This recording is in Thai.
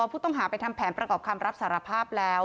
ผู้ต้องหาไปทำแผนประกอบคำรับสารภาพแล้ว